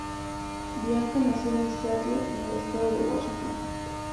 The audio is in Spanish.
Bianca nació en Seattle, en el estado de Washington.